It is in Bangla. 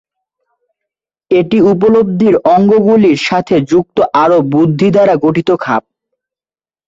এটি উপলব্ধির অঙ্গগুলির সাথে যুক্ত আরও বুদ্ধি দ্বারা গঠিত খাপ।